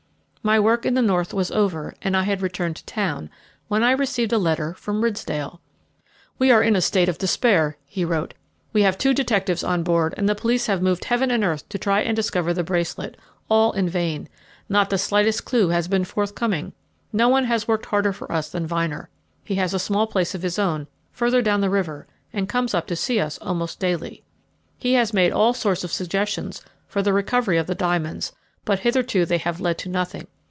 My work in the north was over, and I had returned to town, when I received a letter from Ridsdale. "We are in a state of despair," he wrote; "we have had two detectives on board, and the police have moved heaven and earth to try and discover the bracelet all in vain; not the slightest clue has been forthcoming. No one has worked harder for us than Vyner. He has a small place of his own further down the river, and comes up to see us almost daily. He has made all sorts of suggestions for the recovery of the diamonds, but hitherto they have led to nothing.